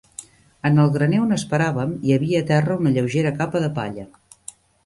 En el graner on esperàvem, hi havia a terra una lleugera capa de palla